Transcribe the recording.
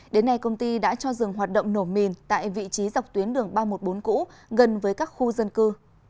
đến nay công ty đã cho dừng hoạt động nổ mìn tại vị trí dọc tuyến đường ba trăm một mươi bốn cũ gần với các khu dân cư